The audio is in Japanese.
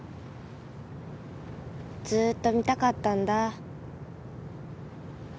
ずーっと見たかったんだ。